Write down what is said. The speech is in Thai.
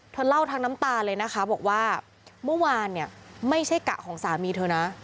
เธอเล่าทั้งน้ำตาเลยนะคะบอกว่าเมื่อวานเนี่ยไม่ใช่กะของสามีเธอนะ